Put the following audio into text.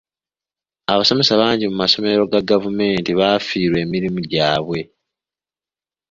Abasomesa bangi mu masomero ga gavumenti baafiirwa emirimu gyabwe.